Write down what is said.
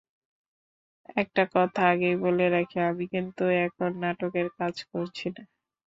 একটা কথা আগেই বলে রাখি, আমি কিন্তু এখন নাটকের কাজ করছি না।